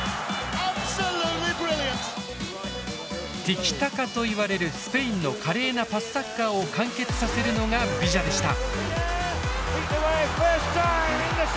「ティキタカ」といわれるスペインの華麗なパスサッカーを完結させるのがビジャでした。